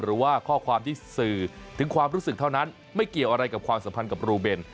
หรือว่าข้อความที่สื่อถึงความรู้สึกเท่านั้นไม่เกี่ยวอะไรกับความสัมพันธ์กับรูเบน